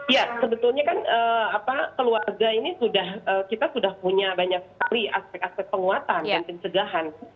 ya sebetulnya kan keluarga ini sudah kita sudah punya banyak sekali aspek aspek penguatan dan pencegahan